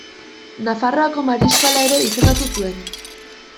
Nafarroako mariskala ere izendatu zuen.